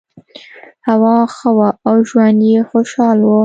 هوا ښه وه او ژوند یې خوشحاله و.